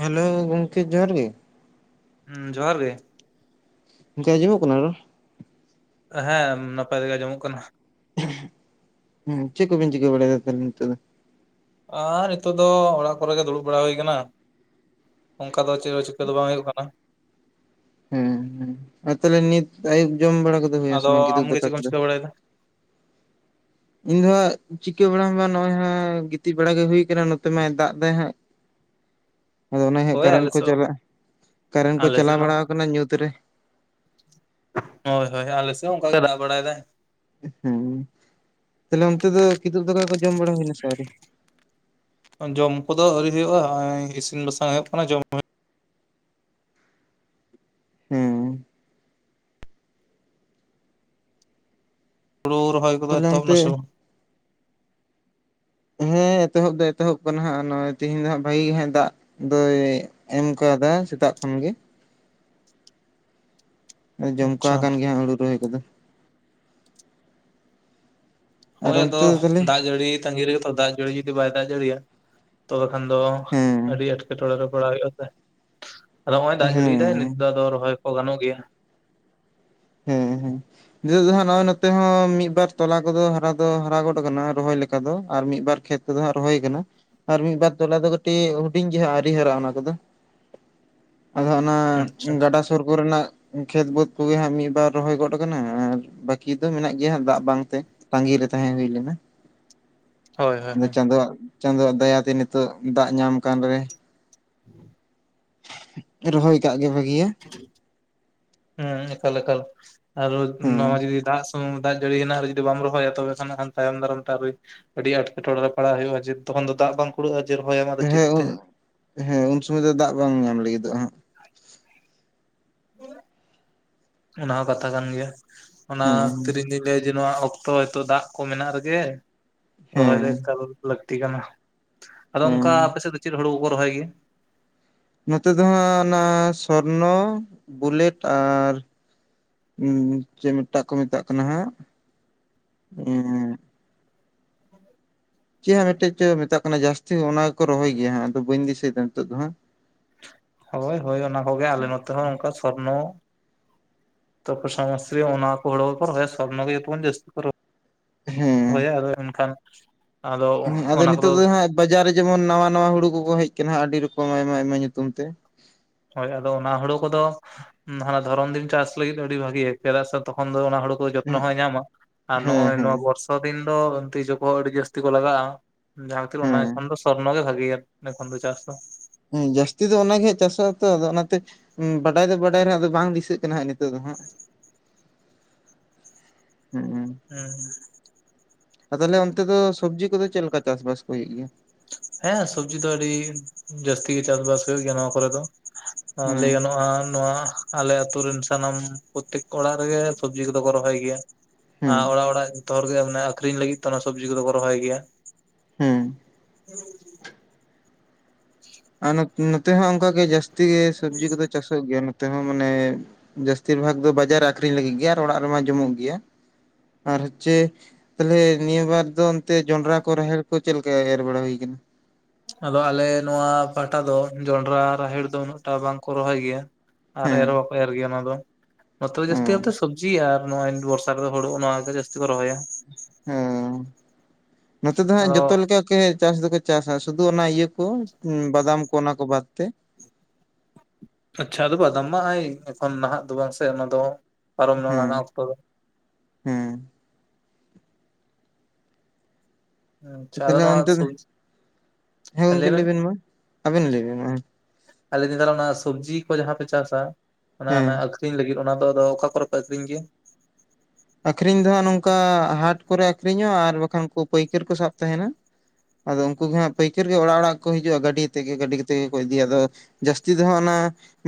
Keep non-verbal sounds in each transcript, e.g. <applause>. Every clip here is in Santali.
ᱦᱮᱞᱳ ᱜᱚᱝᱠᱮ ᱡᱚᱦᱟᱨ ᱜᱮ ᱦᱩᱸ ᱡᱚᱦᱟᱨ ᱜᱮ ᱜᱚᱢᱠᱮ ᱟᱡᱚᱢᱚᱜ ᱠᱟᱱᱟ ᱨᱚᱲ? ᱦᱮᱸ ᱱᱟᱯᱟᱭ ᱛᱮᱜᱮ ᱟᱸᱡᱚᱢᱚᱜ ᱠᱟᱱᱟ᱾ ᱦᱩᱸ ᱪᱮᱫ ᱵᱤᱱ ᱪᱤᱠᱟᱹ ᱵᱟᱲᱮᱭᱮᱫᱟ ᱛᱟᱦᱚᱞᱮ ᱱᱤᱛᱚᱜ ᱫᱚ? ᱟᱨ ᱱᱤᱛᱚᱜ ᱫᱚ ᱚᱲᱟᱜ ᱠᱚᱨᱮ ᱜᱮ ᱫᱩᱲᱩᱵ ᱵᱟᱲᱟ ᱦᱩᱭ ᱟᱠᱟᱱᱟ᱾ ᱚᱱᱠᱟ ᱫᱚ ᱪᱮᱫ ᱪᱤᱠᱟᱹ ᱫᱚ ᱵᱟᱝ ᱦᱩᱭᱩᱜ ᱠᱟᱱᱟ᱾ ᱦᱩᱸ ᱦᱩᱸ ᱟᱨ ᱛᱟᱦᱚᱞᱮ ᱱᱤᱛ ᱟᱹᱭᱩᱵ ᱡᱚᱢ ᱵᱟᱲᱟ ᱠᱚᱫᱚ ᱦᱩᱭᱩᱜ ᱟᱥᱮ ᱟᱫᱚ ᱵᱟᱝ ᱜᱤᱫᱩᱵ ᱟᱢᱜᱮ ᱫᱟᱠᱟ ᱪᱮᱫ ᱠᱚᱢ ᱠᱚᱫᱚ? ᱪᱤᱠᱟᱹ ᱵᱟᱲᱟᱭᱮᱫᱟ ᱤᱧ ᱫᱚ ᱦᱟᱸᱜ ᱪᱤᱠᱟᱹ ᱵᱟᱲᱟ ᱦᱚᱸ ᱵᱟᱝ ᱱᱚᱜᱚᱭ ᱦᱟᱜ ᱜᱤᱛᱤᱡ ᱵᱟᱲᱟ ᱜᱮ ᱦᱩᱭᱩ ᱟᱠᱟᱱᱟ ᱱᱚᱛᱮ ᱢᱟᱭ ᱫᱟᱜ ᱮᱫᱟᱭ ᱦᱟᱸᱜ᱾ ᱟᱫᱚ ᱚᱱᱟ ᱦᱟᱸᱜ ᱦᱳᱭ ᱠᱟᱨᱮᱱᱴ ᱟᱞᱮ ᱠᱚ ᱥᱮᱫ ᱪᱟᱞᱟᱜᱼᱟ ᱠᱟᱨᱮᱱᱴ ᱠᱚ ᱟᱞᱮ ᱪᱟᱞᱟᱣ ᱥᱮᱫ ᱦᱚᱸ ᱵᱟᱲᱟ ᱠᱟᱱᱟᱱᱟ ᱧᱩᱛ ᱨᱮ ᱦᱳᱭ ᱦᱳᱭ ᱟᱞᱮᱥᱮᱫ ᱦᱚᱸ ᱚᱱᱠᱟᱟᱜᱮ ᱫᱟᱜ ᱵᱟᱲᱟᱭᱮᱫᱟᱭ ᱦᱮᱸ ᱛᱟᱦᱚᱞᱮ ᱚᱱᱛᱮ ᱫᱚ ᱠᱤᱛᱩᱵ ᱫᱟᱠᱟ ᱠᱚ ᱡᱚᱢ ᱵᱟᱲᱟ ᱦᱩᱭᱱᱟ ᱥᱮ ᱟᱹᱣᱨᱤ? ᱡᱚᱢ ᱠᱚᱫᱚ ᱟᱣᱨᱤ ᱦᱩᱭᱩᱜᱳᱼᱟ ᱤᱥᱤᱱ ᱵᱟᱥᱟᱝ ᱦᱩᱭᱩᱜᱳᱜ ᱠᱟᱱᱟ ᱡᱚᱢᱼᱟ ᱦᱩᱸ ᱦᱩᱲᱩ ᱨᱚᱦᱚᱭ ᱠᱚᱫᱚ ᱛᱟᱦᱞᱮ ᱮᱛᱚᱦᱚᱯ ᱚᱱᱛᱮ ᱮᱱᱟ ᱥᱮ ᱵᱟᱝ? ᱦᱮᱸ ᱮᱛᱚᱦᱚᱵ ᱫᱚ ᱮᱛᱚᱦᱚᱵ ᱠᱟᱱᱟ ᱦᱟᱸᱜ ᱱᱚᱜ-ᱚᱭ ᱛᱮᱦᱤᱧ ᱫᱚ ᱦᱟᱸᱜ ᱵᱷᱟᱜᱤ ᱜᱮ ᱦᱜ ᱫᱟᱜ ᱫᱚᱭ ᱮᱢ ᱠᱟᱣᱫᱟ ᱥᱮᱛᱟᱜ ᱠᱷᱚᱱ ᱜᱮ᱾ ᱫᱚ ᱡᱚᱢ ᱟᱪᱪᱷᱟ ᱠᱚᱣᱟᱟᱱ ᱜᱮ ᱦᱟᱸᱜ ᱦᱩᱲᱩ ᱨᱚᱦᱚᱭ ᱠᱚᱫᱚ ᱟᱨ ᱦᱳᱭ ᱚᱱᱛᱮ ᱟᱫᱚ ᱫᱚ ᱛᱟᱦᱚᱞᱮ ᱫᱟᱜ ᱡᱟᱹᱲᱤ ᱛᱟᱟᱹᱜᱤ ᱨᱮᱜᱮᱛᱚ ᱫᱟᱜ ᱡᱟᱹᱲᱤ ᱡᱩᱫᱤ ᱵᱟᱭ ᱫᱟᱜ ᱡᱟᱹᱲᱤᱭᱟ ᱛᱚᱵᱮ ᱠᱷᱟᱱ ᱫᱚ ᱦᱮᱸ ᱟᱹᱰᱤ ᱮᱴᱠᱮᱴᱚᱬᱮ ᱨᱮ ᱯᱟᱲᱟᱣ ᱦᱩᱭᱩᱜᱼᱟ ᱥᱮ ᱟᱫᱚ ᱦᱚᱸᱜ ᱚᱭ ᱫᱟᱜ ᱦᱮᱸ ᱡᱟᱹᱲᱤᱭᱟᱭ ᱱᱤᱛᱚᱜ ᱟᱫᱚ ᱨᱚᱦᱚᱭ ᱠᱚ ᱜᱟᱱᱚᱜ ᱜᱮᱭᱟ ᱦᱮᱸ ᱦᱮᱸ ᱱᱤᱛᱚᱜ ᱫᱚ ᱦᱟᱜ ᱱᱚᱜᱼᱚᱭ ᱱᱚᱛᱮ ᱦᱚᱸ ᱢᱤᱫ ᱵᱟᱨ ᱛᱚᱞᱟ ᱠᱚᱫᱚ ᱦᱟᱨᱟ ᱫᱚ ᱦᱟᱨᱟ ᱜᱚᱫ ᱟᱠᱟᱱᱟ ᱨᱚᱦᱚᱭ ᱞᱮᱠᱟ ᱫᱚ ᱟᱨ ᱢᱤᱫ ᱵᱟᱨ ᱠᱷᱮᱛ ᱫᱚ ᱦᱟᱸᱜ ᱨᱚᱦᱚᱭ ᱠᱟᱱᱟ ᱟᱨ ᱢᱤᱫᱵᱟᱨ ᱛᱚᱞᱟ ᱫᱚ ᱠᱟᱹᱴᱤᱡ ᱦᱩᱰᱤᱧ ᱜᱮ ᱦᱟᱸᱜ ᱟᱹᱨᱤ ᱦᱟᱨᱟᱜ ᱚᱱᱟ ᱠᱚᱫᱚ ᱟᱫᱚ ᱚᱱᱟ ᱟᱪᱪᱷᱟ ᱜᱟᱰᱟ ᱥᱩᱨ ᱠᱚᱨᱮᱱᱟᱜ ᱠᱷᱮᱛ ᱵᱟᱹᱫᱽ ᱠᱚᱜᱮ ᱦᱟᱸᱜ ᱢᱤᱫ ᱵᱟᱨ ᱨᱚᱦᱚᱭ ᱜᱚᱫ ᱟᱨ ᱵᱟᱹᱠᱤ ᱫᱚ ᱢᱮᱱᱟᱜ ᱜᱮᱭᱟ ᱫᱟᱜ ᱵᱟᱝᱛᱮ ᱛᱟᱺᱜᱤ ᱨᱮ ᱛᱟᱦᱮᱸ ᱦᱩᱭ ᱞᱮᱱᱟ ᱦᱳᱭ ᱦᱳᱭ ᱟᱫᱚ ᱦᱳᱭ ᱪᱟᱸᱫᱳᱣᱟᱜ ᱪᱟᱸᱫᱚᱳᱣᱟᱜ ᱫᱟᱭᱟᱛᱮ ᱱᱤᱛᱳ ᱫᱟᱜ ᱧᱟᱢ ᱠᱟᱱ ᱨᱮ ᱨᱚᱦᱚᱭ ᱠᱟᱜ ᱜᱮ ᱵᱷᱟᱹᱜᱤᱭᱟ ᱦᱮᱸ ᱮᱠᱟᱞ ᱮᱠᱟᱞ ᱟᱨ ᱦᱮᱸ ᱱᱚᱣᱟ ᱡᱫᱤ ᱫᱟᱜ ᱫᱟᱜ ᱡᱟᱹᱲᱤ ᱦᱮᱱᱟᱜ ᱡᱩᱫᱤ ᱵᱟᱢ ᱨᱚᱦᱚᱭᱟ ᱛᱚᱵᱮ ᱠᱷᱟᱱᱟᱜ ᱛᱟᱭᱚᱢ ᱫᱟᱨᱟᱢ ᱟᱹᱰᱤ ᱮᱸᱴᱠᱮᱴᱚᱬᱮ ᱨᱮ ᱯᱟᱲᱟᱣ ᱦᱩᱭᱩᱜᱼᱟ ᱛᱚᱠᱷᱚᱱ ᱫᱚ ᱫᱟᱜ ᱵᱟᱝ ᱠᱩᱲᱟᱹᱜᱼᱟ ᱡᱮ ᱨᱚᱦᱚᱭᱟᱢ ᱟᱫᱚ ᱪᱮᱫ ᱦᱮᱸ ᱛᱮ ᱦᱮᱸ ᱩᱱ ᱥᱩᱚᱢᱚᱭ ᱫᱚ ᱫᱟᱜ ᱵᱟᱝ ᱧᱟᱢ ᱞᱟᱹᱜᱤᱫᱚᱜ ᱦᱟᱸᱜ ᱚᱱᱟ ᱦᱚᱸ ᱠᱟᱛᱷᱟ ᱠᱟᱱ ᱜᱮᱭᱟ ᱚᱱᱟ ᱠᱷᱟᱹᱛᱤᱨ ᱦᱮᱸ ᱤᱧ ᱫᱩᱧ ᱞᱟᱹᱭᱟ ᱡᱮ ᱱᱚᱣᱟ ᱚᱠᱛᱚ ᱦᱤᱛᱚᱜ ᱫᱟᱜ ᱠᱚ ᱢᱮᱱᱟᱜ ᱨᱮᱜᱮ ᱨᱚᱦᱚᱭ ᱫᱚ ᱦᱮᱸ ᱮᱠᱟᱞ ᱞᱟᱹᱠᱛᱤ ᱠᱟᱱᱟ᱾ ᱟᱫᱚ ᱚᱱᱠᱟ ᱦᱮᱸ ᱟᱯ ᱥᱮᱫ ᱫᱚ ᱪᱮᱫ ᱦᱩ ᱠᱚᱠᱚ ᱨᱚᱦᱚᱭ ᱜᱮᱭᱟ? ᱱᱚᱛᱮ ᱫᱚ ᱦᱟᱜ ᱚᱱᱟ ᱥᱚᱨᱱᱚ ᱵᱩᱞᱮᱴ ᱟᱨ ᱚᱸ ᱪᱮᱫ ᱢᱤᱫᱴᱟᱜ ᱠᱚ ᱢᱮᱛᱟᱜ ᱠᱟᱱᱟ ᱦᱟᱜ ᱪᱮᱫ ᱦᱟᱸᱜ ᱢᱤᱫᱴᱮᱡ ᱪᱚ ᱢᱮᱛᱟᱜ ᱠᱟᱱᱟ ᱡᱟᱹᱥᱛᱤ ᱚᱱᱟ ᱜᱮᱠᱚ ᱨᱚᱦᱚᱭ ᱜᱮᱭᱟ ᱦᱟᱜ ᱟᱫᱚ ᱵᱟᱹᱧ ᱫᱤᱥᱟᱹᱭᱮᱫᱟ ᱱᱤᱛᱚᱜ ᱫᱚ ᱦᱟᱜ ᱦᱳᱭ ᱦᱳᱭ ᱚᱱᱟ ᱠᱚᱜᱮ ᱟᱞᱮ ᱱᱚᱛᱮ ᱦᱚᱸ ᱚᱱᱠᱟ ᱥᱚᱨᱱᱚ ᱛᱟᱨᱯᱨᱮ ᱥᱚᱢᱚᱥᱤᱨᱤ ᱚᱱᱟᱠᱚ ᱦᱚᱲᱚ ᱜᱮ ᱠᱚ ᱥᱚᱨᱱᱚ ᱜᱮ ᱡᱚᱛᱚ ᱠᱷᱚᱱ ᱡᱟᱥᱛᱤ ᱠᱚ ᱨᱚ ᱦᱮᱸ ᱦᱳᱭ ᱟᱫᱚ ᱮᱱᱠᱷᱟᱱ ᱟᱫᱚ ᱦᱮᱸ ᱟᱫᱚ ᱚᱱᱟ ᱱᱤᱛᱚᱜ ᱫᱚ ᱠᱚᱫᱚ ᱦᱟᱸᱜ ᱵᱟᱡᱟᱨ ᱨᱮ ᱡᱮᱢᱚᱱ ᱱᱟᱣᱟ ᱱᱟᱣᱟ ᱦᱩᱲᱩ ᱠᱚᱠᱚ ᱦᱮᱡ ᱟᱠᱟᱱᱟ ᱟᱹᱰᱤ ᱨᱚᱠᱚᱢ ᱟᱭᱢᱟ ᱟᱭᱢᱟ ᱧᱩᱛᱩᱢ ᱛᱮ ᱦᱳᱭ ᱟᱫᱚ ᱚᱱᱟ ᱦᱩᱲᱩ ᱠᱚᱫᱚ ᱦᱟᱱᱟ ᱫᱷᱚᱨᱚᱱ ᱫᱤᱱ ᱪᱟᱥ ᱞᱟᱹᱜᱤᱫ ᱟᱹᱰᱤ ᱵᱷᱟᱜᱮ ᱪᱮᱫᱟᱜ ᱥᱮ ᱛᱚᱠᱷᱚᱱ ᱫᱚ ᱚᱱᱟ ᱦᱩᱲᱩ ᱠᱚ ᱡᱚᱛᱱᱚ ᱦᱮᱸ ᱦᱚᱸᱭ ᱧᱟᱢᱟ ᱟᱨ ᱦᱮᱸ ᱱᱚᱜᱼᱚᱭ ᱦᱮᱸ ᱱᱚᱣᱟ ᱵᱚᱨᱥᱟ ᱫᱤᱱ ᱫᱚ ᱛᱤᱡᱩ ᱠᱚ ᱟᱹᱰᱤ ᱡᱟᱹᱥᱛᱤ ᱠᱚ ᱞᱟᱜᱟᱜᱼᱟ᱾ ᱡᱟᱦᱟᱸᱛᱤᱨ ᱚᱱᱟ ᱦᱮᱸ ᱮᱠᱷᱚᱱ ᱫᱚ ᱥᱚᱨᱱᱚ ᱜᱮ ᱵᱷᱟᱜᱮᱭᱟ ᱮᱠᱷᱚᱱ ᱫᱚ ᱪᱟᱥ ᱫᱚ ᱦᱮᱸ ᱡᱟᱹᱥᱛᱤ ᱫᱚ ᱚᱱᱟᱜᱮ ᱦᱟᱜ ᱪᱟᱥᱚᱜ ᱟᱛᱚ ᱟᱫᱚ ᱚᱱᱟᱛᱮ ᱵᱟᱰᱟᱭ ᱫᱚ ᱵᱟᱰᱟᱭ ᱨᱮᱦᱟ ᱟᱫᱚ ᱵᱟᱝ ᱫᱤᱥᱟᱹᱜ ᱠᱟᱱᱟ ᱱᱤᱛᱚᱜ ᱫᱚ ᱦᱟᱸᱜ᱾ ᱦᱮᱸ ᱦᱮᱸ ᱛᱟᱦᱚᱞᱮ ᱚᱱᱛᱮ ᱫᱚ ᱥᱚᱵᱽᱡᱤ ᱠᱚᱫᱚ ᱪᱮᱫ ᱞᱮᱠᱟ ᱪᱟᱥ ᱵᱟᱥ ᱠᱚ ᱦᱩᱭᱩᱜ ᱜᱮᱭᱟ? ᱦᱮᱸ ᱥᱚᱵᱡᱤ ᱫᱚ ᱟᱹᱰᱤ ᱡᱟᱹᱥᱛᱤ ᱜᱮ ᱪᱟᱥᱵᱟᱥ ᱦᱩᱭᱩᱜ ᱜᱮᱭᱟ ᱱᱚᱣᱟ ᱠᱚᱨᱮ ᱫᱚ᱾ ᱞᱟᱹᱭ ᱦᱩᱸ ᱜᱟᱱᱚᱜᱼᱟ ᱱᱚᱣᱟ ᱟᱞᱮ ᱟᱛᱳ ᱨᱮᱱ ᱥᱟᱱᱟᱢ ᱯᱨᱚᱛᱛᱮᱠ ᱚᱲᱟᱜ ᱨᱮᱜᱮ ᱥᱚᱵᱡᱤ ᱠᱚᱫᱚ ᱠᱚ ᱨᱚᱦᱚᱭ ᱜᱮᱭᱟ ᱦᱩᱸ ᱟᱨ ᱚᱲᱟᱜ ᱚᱲᱟᱜ ᱡᱚᱛᱚ ᱦᱚᱲ ᱜᱮ ᱟᱠᱷᱨᱤᱧ ᱞᱟᱹᱜᱤᱫ ᱛᱮ ᱚᱱᱟ ᱥᱚᱵᱡᱤ ᱠᱚᱫᱚ ᱠᱚ ᱨᱚᱦᱚᱭ ᱜᱮᱭᱟ ᱦᱮᱸ ᱦᱮᱸ <inaudible> ᱟᱨ ᱱᱚᱛᱮ ᱦᱚᱸ ᱚᱱᱠᱟ ᱜᱮ ᱡᱟᱹᱥᱛᱤ ᱜᱮ ᱥᱚᱵᱽᱡᱤ ᱠᱚᱫᱚ ᱪᱟᱥ- ᱜᱮᱭᱟ ᱱᱚᱛᱮ ᱦᱚᱸ ᱢᱟᱱᱮ ᱡᱟᱹᱥᱛᱤᱨ ᱵᱷᱟᱜᱽ ᱫᱚ ᱵᱟᱡᱟᱨ ᱨᱮ ᱟᱠᱷᱨᱤᱧ ᱞᱟᱹᱜᱤᱫ ᱜᱮ ᱟᱨ ᱚᱲᱟᱜ ᱨᱮᱢᱟ ᱡᱚᱢᱚᱜ ᱜᱮᱭᱟ᱾ ᱟᱨ ᱦᱚᱪᱪᱷᱮ ᱛᱟᱦᱚᱞᱮ ᱱᱤᱭᱟᱹ ᱵᱟᱨ ᱫᱚ ᱚᱱᱛᱮ ᱡᱚᱱᱰᱨᱟ ᱠᱚ ᱨᱟᱦᱮᱹᱲ ᱠᱚ ᱪᱮᱫ ᱞᱮᱠᱟ ᱮᱨ ᱵᱟᱲᱟ ᱦᱩᱭ ᱟᱠᱟᱱᱟ? ᱟᱫᱚ ᱟᱞᱮ ᱱᱚᱶᱟ ᱯᱟᱦᱴᱟ ᱫᱚ ᱡᱚᱱᱰᱨᱟ ᱨᱟᱦᱮᱲ ᱫᱚ ᱩᱱᱟᱹᱜ ᱴᱟ ᱵᱟᱝᱠᱚ ᱨᱚᱦᱚᱭ ᱜᱮᱭᱟ᱾ ᱟᱨ ᱦᱮᱸ ᱮᱨ ᱦᱚᱸᱠᱚ ᱮᱨ ᱜᱮᱭᱟ ᱚᱱᱟ ᱫᱚ, ᱱᱟᱛᱮ ᱢᱟ ᱡᱟᱹᱥᱛᱤ ᱦᱮᱸ ᱠᱟᱛᱮ ᱥᱚᱵᱡᱤ ᱟᱨ ᱱᱚᱼᱚᱭ ᱵᱚᱨ ᱦᱩᱲᱩ ᱱᱚᱣᱟ ᱫᱚ ᱡᱟᱥᱛᱤ ᱠᱚ ᱨᱚᱦᱚᱭᱟ᱾ ᱦᱮᱸ ᱱᱚᱛᱮ ᱫᱚ ᱦᱟᱸᱜ ᱟᱫᱚ ᱡᱚᱛᱚ ᱞᱮᱠᱟ ᱪᱟᱥ ᱫᱚᱠᱚ ᱪᱟᱥᱟ ᱥᱩᱫᱩ ᱚᱱᱟ ᱤᱭᱟᱹ ᱠᱚ ᱵᱟᱫᱟᱢ ᱠᱚ ᱚᱱᱟ ᱠᱚ ᱵᱟᱫ ᱛᱮ ᱟᱪᱪᱷᱟ ᱟᱫᱚ ᱵᱟᱫᱟᱢ ᱢᱟ ᱟᱭ ᱮᱠᱷᱚᱱ ᱱᱟᱦᱟᱜ ᱫᱚ ᱵᱟᱝ ᱥᱮ ᱚᱱᱟ ᱫᱚ ᱯᱟᱨᱚᱢ ᱱᱟ ᱦᱮᱸ ᱱᱟ ᱚᱠᱛᱚ ᱫᱚ᱾ ᱦᱮᱸ ᱟᱪᱪᱷᱟ ᱛᱟᱦᱞᱮ ᱱᱚᱣᱟ ᱚᱱᱛᱮ ᱫᱚ ᱥᱚᱵᱽᱡᱤ, ᱦᱮᱸ ᱜᱚᱝᱠᱮ ᱞᱟᱹᱭ ᱢᱮ ᱵᱮᱱ ᱢᱟ ᱟᱵᱮᱱ ᱞᱟᱹᱭ ᱵᱮᱱ ᱢᱟ ᱟᱨ ᱞᱟᱹᱭ ᱮᱫᱟᱹᱧ ᱱᱮᱛᱟᱨ ᱚᱱᱟ ᱥᱚᱵᱽᱡᱤ ᱠᱚ ᱡᱟᱦᱟᱸ ᱯᱮ ᱪᱟᱥᱟ ᱦᱮᱸ ᱚᱱᱟ ᱟᱠᱷᱨᱤᱧ ᱞᱟᱹᱜᱤᱫ ᱚᱱᱟ ᱫᱚ ᱟᱫᱚ ᱚᱠᱟ ᱠᱚᱨᱮ ᱯᱮ ᱟᱠᱷᱨᱤᱧ ᱜᱮᱭᱟ? ᱟᱠᱷᱨᱤᱧ ᱫᱚ ᱦᱟᱸᱜ ᱱᱚᱝᱠᱟ ᱦᱟᱴ ᱠᱚᱨᱮ ᱟᱠᱷᱨᱤᱧᱚᱜᱼᱟ ᱟᱨ ᱵᱟᱠᱷᱟᱱ ᱯᱟᱹᱭᱠᱟᱹᱨ ᱠᱚ ᱥᱟᱵ ᱛᱟᱦᱮᱱᱟ᱾ ᱟᱫᱚ ᱩᱱᱠᱩ ᱜᱮ ᱦᱟᱸᱜ ᱯᱟᱹᱭᱠᱟᱹᱨ ᱜᱮ ᱚᱲᱟᱜ ᱚᱲᱟᱜ ᱠᱚ ᱦᱤᱡᱩᱜᱼᱟ ᱜᱟᱹᱰᱤ ᱛᱮᱜᱮ ᱜᱟᱹᱰᱤ ᱠᱟᱛᱮ ᱜᱮ ᱠᱚ ᱤᱫᱤᱭᱟ᱾ ᱟᱫᱚ ᱡᱟᱹᱥᱛᱤ ᱫᱚ ᱦᱟᱸᱜ ᱚᱱᱟ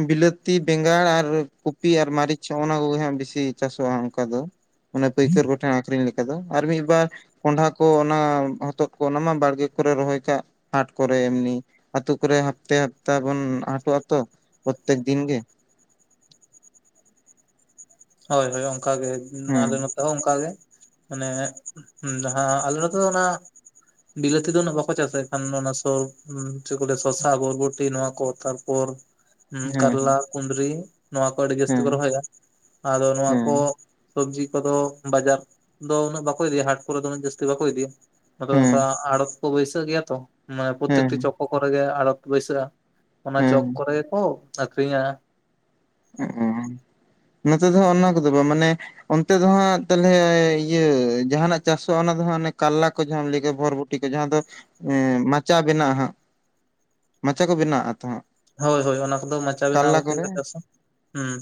ᱵᱤᱞᱟᱹᱛᱤ ᱵᱮᱸᱜᱟᱲ ᱟᱨ ᱠᱚᱯᱤ ᱟᱨ ᱢᱟᱹᱨᱤᱪ ᱚᱱᱟ ᱠᱚᱜᱮ ᱦᱟᱜ ᱵᱤᱥᱤ ᱪᱟᱥᱚᱜᱼᱟ ᱚᱱᱠᱟ ᱫᱚ ᱚᱱᱟ ᱯᱟᱹᱭᱠᱟᱹᱨ ᱠᱚᱴᱷᱮᱱ ᱟᱠᱷᱨᱤᱧ ᱞᱮᱠᱟ ᱫᱚ ᱟᱨ ᱢᱤᱫᱵᱟᱨ ᱠᱚᱸᱰᱷᱟ ᱠᱚ ᱚᱱᱟ ᱦᱚᱛᱚᱫ ᱠᱚ ᱚᱱᱟᱢᱟ ᱵᱟᱲᱜᱮ ᱠᱚᱨᱮ ᱨᱚᱦᱚᱭ ᱠᱟᱜ ᱦᱟᱴ ᱠᱚᱨᱮ ᱮᱢᱱᱤ ᱟᱹᱛᱩ ᱠᱚᱨᱮ ᱦᱟᱯᱛᱟ ᱦᱟᱯᱛᱟ ᱵᱚᱱ ᱦᱟᱴᱚᱜ-ᱟ ᱛᱚ ᱯᱨᱚᱛᱛᱮᱠ ᱫᱤᱱ ᱜᱮ᱾ ᱦᱳᱭ ᱦᱳᱭ ᱚᱱᱠᱟ ᱜᱮ ᱦᱮᱸ ᱟᱞᱮ ᱱᱚ ᱛᱮ ᱦᱚᱸ ᱚᱱᱠᱟᱜᱮ ᱢᱟᱱᱮ ᱟᱞᱮ ᱱᱚᱛᱮ ᱫᱚ ᱚᱱᱟ ᱵᱤᱞᱟᱹᱛᱤ ᱫᱚ ᱵᱟᱠᱚ ᱪᱟᱥᱟ ᱮᱱᱠᱷᱟᱱ ᱚᱱᱟ ᱪᱮᱫ ᱠᱚ ᱞᱟᱹᱭᱟ ᱥᱚᱥᱟ ᱵᱚᱨᱵᱚᱴᱤ ᱱᱚᱣᱟ ᱠᱚ ᱛᱟᱨᱯᱚᱨ <unintelligible> ᱦᱮ ᱠᱟᱨᱞᱟ ᱠᱩᱸᱫᱨᱤ ᱱᱚᱶᱟ ᱠᱚ ᱟᱹᱰᱤ ᱡᱟᱹᱥᱛᱤ ᱦᱮᱸ ᱠᱚ ᱨᱚᱦᱚᱭᱟ᱾ ᱟᱫᱚ ᱱᱚᱣᱟ ᱦᱮᱸ ᱠᱚ ᱥᱚᱵᱡᱤ ᱠᱚᱫᱚ ᱵᱟᱡᱟᱨ ᱫᱚ ᱩᱱᱟᱹᱜ ᱵᱟᱠᱚ ᱤᱫᱤᱭᱟ ᱦᱟᱴ ᱠᱚᱨᱮ ᱫᱚ ᱩᱱᱟᱹᱜ ᱡᱟᱹᱥᱛᱤ ᱵᱟᱠᱚ ᱤᱫᱤᱭᱟ᱾ ᱟᱫᱚ ᱦᱮᱸ ᱚᱱᱠᱟ ᱟᱲᱚᱛ ᱠᱚ ᱵᱟᱹᱭᱥᱟᱹᱜ ᱜᱮᱭᱟ ᱛᱚ ᱢᱟᱱᱮ ᱦᱮᱸ ᱯᱨᱚᱛᱛᱮᱠᱴᱤ ᱪᱚᱠᱳ ᱠᱚᱨᱮ ᱜᱮ ᱟᱲᱚᱛ ᱵᱟᱹᱭᱥᱟᱹᱜᱼᱟ᱾ ᱚᱱᱟ ᱦᱮᱸ ᱪᱚᱠ ᱠᱚᱨᱮ ᱜᱮᱠᱚ ᱟᱠᱷᱨᱤᱧᱟ᱾ ᱚ ᱱᱚᱛᱮ ᱫᱚ ᱦᱟᱜ ᱚᱱᱟ ᱠᱚᱫᱚ ᱵᱟᱝ ᱢᱟᱱᱮ ᱚᱱᱛᱮ ᱫᱚ ᱦᱟᱸᱜ ᱛᱟᱞᱚᱞᱮ ᱤᱭᱟᱹ ᱡᱟᱦᱟᱱᱟᱜ ᱪᱟᱥᱚᱜᱼᱟ ᱚᱱᱟ ᱫᱚ ᱦᱟᱸᱜ ᱚᱱᱮ ᱠᱟᱨᱞᱟ ᱠᱚ ᱡᱟᱦᱟᱸᱢ ᱞᱟᱹᱭ ᱠᱮᱫ ᱵᱷᱚᱨᱵᱷᱚ ᱼᱼᱴᱤ ᱠᱚ ᱡᱟᱦᱟᱸ ᱫᱚ ᱮ ᱢᱟᱪᱟ ᱵᱮᱱᱟᱜᱼᱟ ᱦᱟᱸᱜ ᱢᱟᱪᱟ ᱠᱚ ᱵᱮᱱᱟᱜᱼᱟ ᱛᱚ ᱦᱟᱸᱜ ᱦᱳᱭ ᱦᱳᱭ ᱚᱱᱟ ᱠᱚᱫᱚ ᱢᱟᱪᱟ ᱵᱮᱱᱟᱣ ᱠᱟᱨᱞᱟ ᱠᱟᱛᱮ ᱠᱚᱨᱮ ᱠᱚ ᱪᱟᱥᱟ ᱦᱮᱸ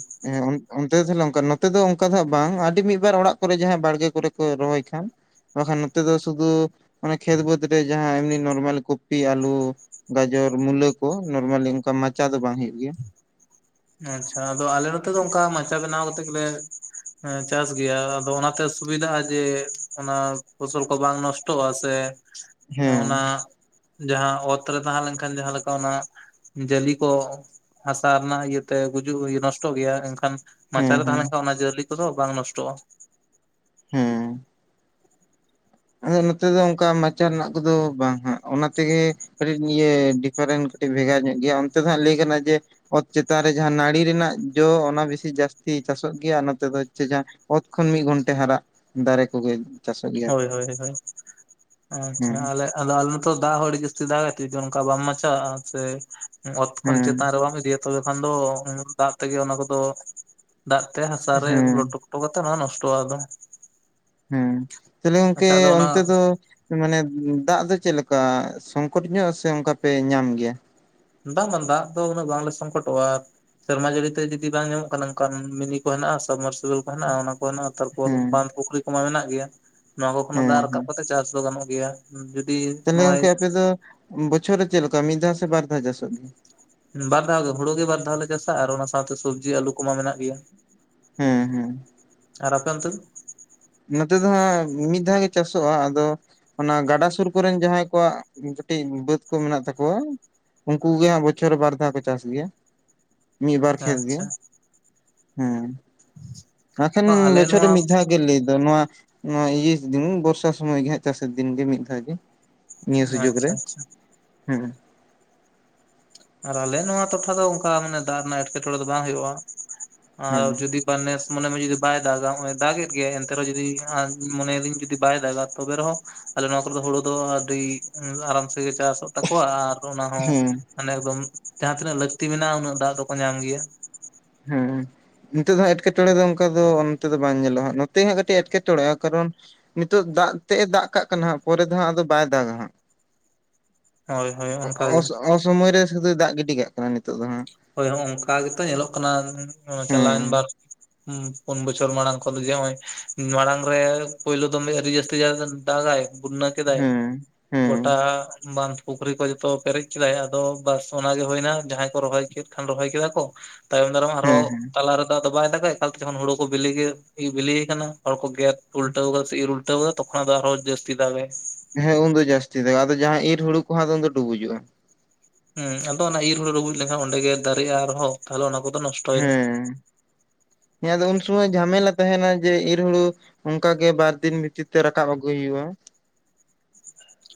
ᱚᱱᱛᱮ ᱫᱚ ᱛᱟᱦᱚᱞᱮ ᱚᱱᱠᱟ ᱱᱚᱛᱮ ᱫᱚ ᱚᱱᱠᱟ ᱫᱚ ᱦᱟᱸᱜ ᱵᱟᱝ ᱟᱹᱰᱤ ᱢᱤᱫ ᱵᱟᱨ ᱚᱲᱟᱜ ᱠᱚᱨᱮ ᱡᱟᱦᱟᱸᱭ ᱵᱟᱲᱜᱮ ᱠᱚᱨᱮ ᱠᱚ ᱨᱚᱦᱚᱭ ᱠᱷᱟᱱ᱾ ᱵᱟᱠᱷᱟᱱ ᱱᱚᱛᱮ ᱫᱚ ᱥᱩᱫᱩ ᱚᱱᱟ ᱠᱷᱮᱛ ᱵᱟᱹᱫᱽ ᱨᱮ ᱡᱟᱦᱟᱸ ᱮᱢᱱᱤ ᱱᱚᱨᱢᱟᱞ ᱠᱚᱯᱤ ᱟᱞᱩ ᱜᱟᱡᱚᱨ ᱢᱩᱞᱟᱹ ᱠᱚ ᱱᱚᱨᱢᱟᱞᱤ ᱚᱱᱠᱟ ᱢᱟᱪᱟ ᱫᱚ ᱵᱟᱝ ᱦᱳᱭᱳᱜ ᱜᱮᱭᱟ ᱟᱪᱪᱷᱟ ᱟᱫᱚ ᱟᱞᱮ ᱱᱚᱛᱮ ᱫᱚ ᱚᱱᱠᱟ ᱢᱟᱪᱟ ᱵᱮᱱᱟᱣ ᱠᱟᱛᱮᱜ ᱜᱮᱞᱮ ᱪᱟᱥ ᱜᱮᱭᱟ ᱟᱫᱚ ᱚᱱᱟᱛᱮ ᱥᱩᱵᱤᱫᱷᱟᱜ-ᱟ ᱡᱮ ᱚᱱᱟ ᱯᱷᱚᱥᱚᱞ ᱠᱚ ᱵᱟᱝ ᱱᱚᱥ ᱴᱚᱜ-ᱟ ᱥᱮ ᱦᱮᱸ ᱚᱱᱟ ᱡᱟᱦᱟᱸ ᱚᱛᱨᱮ ᱛᱟᱦᱮᱸ ᱞᱮᱱᱠᱷᱟᱱ ᱡᱟᱦᱟᱸ ᱞᱮᱠᱟ ᱚᱱᱟ ᱡᱟᱞᱤ ᱠᱚ ᱦᱟᱥᱟ ᱨᱮᱱᱟᱜ ᱛᱮ ᱜᱩᱡᱩᱜ ᱱᱚᱥᱴᱚᱜ ᱜᱮᱭᱟ ᱮᱱᱠᱷᱟᱱ ᱦᱮᱸ ᱢᱟᱪᱟᱨᱮ ᱛᱟᱦᱮᱸ ᱦᱮᱸ ᱞᱮᱱᱠᱷᱟᱱ ᱚᱱᱟ ᱡᱟᱹᱞᱤ ᱠᱚᱫᱚ ᱵᱟᱝ ᱱᱚᱥᱴᱚᱜ-ᱟ ᱦᱩᱸ ᱟᱫᱚ ᱱᱚᱛᱮ ᱫᱚ ᱚᱱᱠᱟ ᱢᱟᱪᱟ ᱨᱮᱱᱟᱜ ᱠᱚᱫᱚ ᱵᱟᱝ ᱦᱟᱸᱜ ᱚᱱᱟ ᱛᱮᱜᱮ ᱠᱟᱹᱴᱤᱡ ᱤᱭᱟᱹ ᱰᱤᱯᱷᱟᱨᱮᱱᱴ ᱠᱟᱹᱴᱤᱡ ᱵᱷᱮᱜᱟᱨ ᱧᱚᱜ ᱜᱮᱭᱟ ᱚᱱᱛᱮ ᱫᱚ ᱦᱟᱸᱜ ᱞᱟᱹᱭ ᱜᱟᱱᱚᱜ-ᱟ ᱡᱮ ᱚᱛ ᱪᱮᱛᱟᱱ ᱨᱮ ᱡᱟᱦᱟᱸ ᱱᱟᱹᱲᱤ ᱨᱮᱱᱟᱜ ᱡᱚ ᱚᱱᱟ ᱵᱮᱥᱤ ᱡᱟᱹᱥᱛᱤ ᱪᱟᱥᱚᱜ ᱜᱮᱭᱟ ᱱᱚᱛᱮ ᱫᱚ ᱚᱛ ᱠᱷᱚᱱ ᱢᱤᱫ ᱜᱷᱚᱱᱴᱮ ᱦᱟᱨᱟᱜ ᱫᱟᱨᱮ ᱠᱚᱜᱮ ᱪᱟᱥᱚᱜ ᱜᱮᱭᱟ ᱦᱳᱭ ᱟᱨᱠᱤ ᱦᱳᱭ ᱟᱪᱪᱷᱟ ᱦᱮᱸ ᱟᱞᱮ ᱟᱫᱚ ᱟᱞᱮ ᱛᱚ ᱫᱟᱜ ᱦᱚ ᱟᱹᱰᱤ ᱡᱟᱹᱥᱛᱤ ᱫᱟᱜᱟᱭ ᱛᱚ ᱚᱱᱠᱟ ᱵᱟᱢ ᱢᱟᱪᱟ ᱟᱜ-ᱟ ᱥᱮ ᱚᱛ ᱠᱷᱚᱱ ᱦᱮᱸ ᱪᱮᱛᱟᱱ ᱨᱮ ᱵᱟᱢ ᱤᱫᱤᱭᱟ ᱛᱚᱵᱮ ᱠᱷᱟᱱ ᱫᱚ ᱫᱟᱜ ᱛᱮᱜᱮ ᱚᱱᱟ ᱠᱚᱫᱚ ᱫᱟᱜ ᱛᱮ ᱦᱟᱥᱟ ᱨᱮ ᱦᱮᱸ ᱞᱚᱴᱚ ᱯᱚᱴᱚ ᱠᱟᱛᱮ ᱱᱚᱣᱟ ᱱᱚᱥᱴᱚᱜ-ᱟ ᱟᱫᱚ ᱦᱩᱸ ᱛᱟᱦᱚᱞᱮ ᱜᱚᱝᱠᱮ ᱟᱪᱪᱷᱟ ᱟᱫᱚ ᱚᱱᱟ ᱚᱱᱛᱮ ᱫᱚ ᱢᱟᱱᱮ ᱫᱟᱜ ᱫᱚ ᱪᱮᱫ ᱞᱮᱠᱟ ᱥᱚᱝᱠᱚᱴ ᱧᱚᱜ ᱥᱮ ᱚᱱᱠᱟ ᱯᱮ ᱧᱟᱢ ᱜᱮᱭᱟ? ᱵᱟᱝ ᱵᱟᱝ ᱫᱟᱜ ᱫᱚ ᱩᱱᱟᱹᱜ ᱵᱟᱝ ᱞᱮ ᱥᱚᱝᱠᱚᱴᱚᱜᱼᱟ᱾ ᱥᱮᱨᱢᱟ ᱡᱟᱹᱲᱤ ᱛᱮ ᱡᱩᱫᱤ ᱵᱟᱝ ᱧᱟᱢᱚᱜ ᱠᱷᱟᱱ ᱚᱱᱠᱟᱱ ᱢᱤᱱᱤ ᱠᱚ ᱦᱮᱱᱟᱜ-ᱟ ᱥᱟᱵᱢᱟᱨᱥᱟᱞ ᱠᱚ ᱦᱮᱱᱟᱜ-ᱟ ᱵᱟᱱᱩᱜ-ᱟ ᱛᱟᱨᱯᱚᱨ ᱦᱮᱸ ᱵᱟᱸᱫᱽ ᱯᱩᱠᱷᱨᱤ ᱠᱚᱢᱟ ᱢᱮᱱᱟᱜ ᱜᱮᱭᱟ ᱱᱚᱣᱟ ᱠᱚ ᱠᱷᱚᱱᱟᱜ ᱦᱮᱸ ᱫᱟᱜ ᱨᱟᱠᱟᱵ ᱦᱮᱸ ᱠᱟᱛᱮᱫ ᱪᱟᱥ ᱫᱚ ᱜᱟᱱᱚᱜ ᱜᱮᱭᱟ ᱡᱩᱫᱤ ᱛᱟᱦᱞᱮ ᱱᱚ-ᱚᱭ ᱜᱚᱝᱠᱮ ᱟᱯᱮ ᱫᱚ ᱵᱚᱪᱷᱚᱨ ᱨᱮ ᱪᱮᱫ ᱞᱮᱠᱟ ᱢᱤᱫ ᱫᱷᱟᱣ ᱥᱮ ᱵᱟᱨ ᱫᱷᱟᱣ ᱪᱟᱥᱚᱜ ᱜᱮ ᱵᱟᱨ ᱫᱷᱟᱣ ᱜᱮ ᱦᱩᱲᱩ ᱜᱮ ᱵᱟᱨ ᱫᱷᱟᱭᱞᱮ ᱪᱟᱥᱟ ᱟᱨ ᱚᱱᱟ ᱥᱟᱶᱛᱮ ᱥᱚᱵᱡᱤ ᱟᱞᱩ ᱠᱚᱢᱟ ᱢᱮᱱᱟᱜ ᱜᱮᱭᱟ ᱦᱩᱸ ᱦᱩᱸ ᱟᱨ ᱟᱯᱮ ᱚᱱᱛᱮ ᱫᱚ ᱱᱚᱛᱮ ᱫᱚ ᱦᱟᱸᱜ ᱢᱤᱫ ᱫᱷᱟᱣ ᱜᱮ ᱪᱟᱥᱚᱜ- ᱟ ᱟᱫᱚ ᱚᱱᱟ ᱜᱟᱰᱟ ᱥᱩᱨ ᱠᱚᱨᱮᱱ ᱡᱟᱦᱟᱸᱭ ᱠᱚᱣᱟᱜ ᱠᱟᱹᱴᱤᱡ ᱵᱟᱹᱫ ᱠᱚ ᱢᱮᱱᱟᱜ ᱛᱟᱠᱚᱣᱟ᱾ ᱩᱱᱠᱩ ᱜᱮ ᱦᱟᱜ ᱵᱚᱪᱷᱚ ᱨᱮ ᱵᱟᱨ ᱫᱷᱟᱣ ᱠᱚ ᱪᱟᱥ ᱜᱮᱭᱟ᱾ ᱢᱤᱫ ᱵᱟᱨ ᱠᱷᱮᱛ ᱜᱮ ᱟᱪᱪᱷᱟ ᱦᱮᱸ ᱱᱟᱠᱷᱟᱱ ᱵᱟᱝ ᱟᱞᱮ ᱵᱚᱪᱷᱚᱨ ᱨᱮ ᱱᱚᱣᱟ ᱢᱤᱫ ᱫᱷᱟᱣ᱾ ᱜᱮ ᱞᱟᱹᱭ ᱫᱚ ᱱᱚᱣᱟ ᱱᱚᱣᱟ ᱤᱭᱟᱹ ᱥᱤᱡᱤᱱ ᱵᱚᱨᱥᱟ ᱥᱚᱢᱚᱭ ᱜᱮ ᱦᱟᱸᱜ ᱪᱟᱥ ᱫᱤᱱ ᱜᱮ ᱢᱤᱫ ᱫᱷᱟᱣ ᱜᱮ᱾ ᱱᱤᱭᱟᱹ ᱥᱩᱡᱳᱜ ᱨᱮ ᱟᱪᱪᱷᱟ ᱟᱪᱪᱷᱟ ᱦᱮᱸ᱾ ᱟᱨ ᱟᱞᱮ ᱱᱚᱣᱟ ᱴᱚᱴᱷᱟ ᱫᱚ ᱚᱱᱠᱟ ᱢᱟᱱᱮ ᱫᱟᱜ ᱨᱮᱱᱟᱜ ᱮᱴᱠᱮᱴᱚᱲᱮ ᱫᱚ ᱵᱟᱝ ᱦᱩᱭᱩᱜᱼᱟ᱾ ᱟᱨ ᱦᱮᱸ ᱡᱩᱫᱤ ᱵᱟ ᱱᱮᱥ ᱢᱚᱱᱮ ᱢᱮ ᱡᱩᱫᱤ ᱵᱟᱭ ᱫᱟᱜᱼᱟ ᱦᱚᱸᱜᱼᱚᱭ ᱫᱟᱜ ᱮᱫ ᱜᱮᱭᱟ ᱮᱱᱛᱮᱨᱮᱦᱚᱸ ᱡᱩᱫᱤ ᱟᱸᱜ ᱢᱚᱱᱮᱭ ᱮᱫᱤᱧ ᱡᱩᱫᱤ ᱵᱟᱭ ᱫᱟᱜᱟ ᱛᱚᱵᱮ ᱨᱮᱦᱚᱸ ᱟᱞᱮ ᱱᱚᱶᱟ ᱠᱚᱨᱮ ᱫᱚ ᱦᱩᱲᱩ ᱫᱚ ᱟᱹᱰᱤ ᱟᱨᱟᱢ ᱥᱮᱜᱮ ᱪᱟᱥᱚᱜ ᱛᱟᱠᱚᱣᱟ ᱟᱨ ᱚᱱᱟ ᱦᱚᱸ ᱦᱮᱸ ᱢᱟᱱᱮ ᱮᱠᱫᱚᱢ ᱡᱟᱦᱟᱸ ᱛᱤᱱᱟᱹᱜ ᱞᱟᱹᱠᱛᱤ ᱢᱮᱱᱟᱜᱼᱟ ᱩᱱᱟᱹᱜ ᱫᱟᱜ ᱫᱚᱠᱚ ᱧᱟᱢ ᱜᱮᱭᱟ᱾ ᱦᱩᱸ᱾ ᱱᱤᱛᱚᱜ ᱫᱚ ᱦᱟᱸᱜ ᱮᱴᱠᱮᱼᱴᱚᱬᱮ ᱫᱚ ᱚᱱᱠᱟ ᱫᱚ ᱱᱚᱱᱛᱮ ᱫᱚ ᱵᱟᱝ ᱧᱮᱞᱚᱜᱼᱟ ᱱᱚᱛᱮ ᱦᱟᱸᱜ ᱠᱟᱹᱴᱤᱡ ᱮᱴᱠᱮᱼᱴᱚᱬᱮᱜᱼᱟ ᱠᱟᱨᱚᱱ, ᱱᱤᱛᱚᱜ ᱫᱟᱜ ᱛᱮᱜ ᱮ ᱫᱟᱜ ᱠᱟᱜ ᱠᱟᱱᱟ ᱦᱟᱸᱜ ᱯᱚᱨᱮ ᱫᱚ ᱦᱟᱸᱜ ᱟᱫᱚ ᱵᱟᱭ ᱫᱟᱜᱟ ᱦᱟᱸᱜ᱾ ᱦᱳᱭ ᱦᱳᱭ ᱚᱱᱠᱟ ᱜᱮ ᱚ-ᱚ-ᱚᱥᱚ-ᱚᱥᱚᱢᱚᱭ ᱨᱮ ᱥᱩᱫᱩᱭ ᱫᱟᱜ ᱜᱤᱰᱤ ᱠᱟᱜ ᱠᱟᱱᱟ ᱱᱤᱛᱳᱜ ᱫᱚ ᱦᱟᱸᱜ᱾ ᱦᱳᱭ ᱦᱚᱸᱜ ᱚᱱᱠᱟ ᱜᱮᱛᱚ ᱧᱮᱞᱚᱜ ᱠᱟᱱᱟ ᱮᱸ ᱪᱟᱞᱟᱣᱮᱱ ᱵᱟᱨ᱾ ᱦᱮᱸ ᱦᱩᱸ ᱯᱩᱱ ᱵᱚᱪᱷᱚᱨ ᱢᱟᱲᱟᱝ ᱠᱷᱚᱱ ᱫᱚ ᱡᱮ ᱦᱚᱸ ᱚᱭ ᱢᱟᱲᱟᱝ ᱨᱮ ᱯᱳᱭᱞᱳ ᱫᱚᱢᱮ ᱟᱹᱨᱤ ᱡᱟᱹᱥᱛᱤᱭᱟ ᱠᱟᱱ᱾ ᱫᱟᱜᱟᱭ ᱵᱩᱱᱱᱟ ᱠᱮᱫᱟᱭ᱾ ᱦᱮᱸ ᱜᱚᱴᱟ ᱦᱮᱸ ᱵᱟᱸᱫᱷ ᱯᱩᱠᱷᱨᱤ ᱠᱚ ᱡᱚᱛᱚ ᱯᱮᱨᱮᱡ ᱠᱮᱫᱟᱭ ᱟᱫᱚ ᱵᱟᱥ ᱚᱱᱟᱜᱮ ᱦᱚᱭᱱᱟ ᱡᱟᱦᱟᱸᱭ ᱠᱚ ᱨᱚᱦᱚᱭ ᱠᱮᱫ ᱠᱷᱟᱱ ᱨᱚᱦᱚᱭ ᱠᱮᱫᱟ ᱠᱚ ᱛᱟᱭᱚᱢ ᱫᱟᱨᱟᱢ ᱟᱨᱦᱚᱸ ᱦᱮᱸ ᱦᱮᱸ ᱛᱟᱞᱟ ᱨᱮᱫᱚ ᱟᱫᱚ ᱵᱟᱭ ᱫᱟᱜᱟ ᱮᱠᱟᱞ ᱛᱮ ᱡᱚᱠᱷᱚᱱ ᱦᱩᱲᱩ ᱠᱚ ᱵᱤᱞᱤ ᱜᱮ ᱤ ᱵᱤᱞᱮᱭ ᱟᱠᱟᱱᱟ ᱦᱚᱲ ᱠᱚ ᱜᱮᱫ ᱩᱞᱴᱟᱹᱣ ᱠᱟᱫᱟ ᱥᱮ ᱤᱨ ᱩᱞᱴᱟᱹᱣ ᱠᱟᱫᱟ ᱛᱚᱠᱷᱚᱱ ᱟᱫᱚ ᱟᱨᱦᱚᱸ ᱡᱟᱹᱥᱛᱤ ᱫᱟᱜᱟᱭ᱾ ᱦᱮᱸ ᱩᱱᱫᱚ ᱡᱟᱹᱥᱛᱤ ᱫᱟᱜᱟᱭ ᱟᱫᱚ ᱡᱟᱦᱟᱸ ᱤᱨ ᱦᱩᱲᱩ ᱠᱚᱦᱚᱸ ᱟᱫᱚ ᱰᱩᱵᱩᱡᱚᱜᱼᱟ᱾ ᱦᱮᱸ ᱟᱫᱚ ᱚᱱᱟ ᱤᱨ ᱦᱩᱲᱩ ᱰᱩᱵᱩᱡ ᱞᱮᱱᱠᱷᱟᱱ ᱚᱸᱰᱮ ᱜᱮ ᱫᱟᱨᱮᱜᱼᱟ ᱟᱨᱦᱚᱸ᱾ ᱛᱟᱦᱚᱞᱮ ᱚᱱᱟ ᱠᱚᱫᱚ ᱱᱚᱥ ᱦᱮᱸ ᱟᱫᱚ ᱩᱱ ᱥᱩᱢᱚᱭ ᱡᱷᱟᱢᱮᱞᱟ ᱛᱟᱦᱮᱸᱱᱟ ᱡᱮ ᱤᱨ ᱦᱩᱲᱩ ᱚᱱᱠᱟ ᱜᱮ ᱵᱟᱨᱫᱤᱱ ᱵᱷᱤᱛᱤᱨ ᱛᱮ ᱨᱟᱠᱟᱵ ᱟᱹᱜᱩᱭ ᱦᱩᱭᱩᱜᱼᱟ᱾